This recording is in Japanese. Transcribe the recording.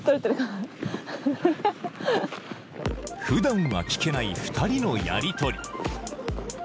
ふだんは聞けない２人のやり取り